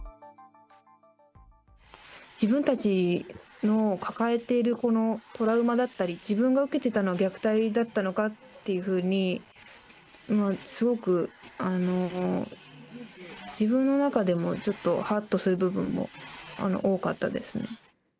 自分たちの抱えているこのトラウマだったり、自分が受けていたのは虐待だったのかっていうふうに、すごく自分の中でもちょっとはっとする部分も多かったですね。